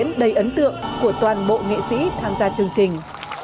cảnh diễn đầy ấn tượng của toàn bộ nghệ sĩ tham gia chương trình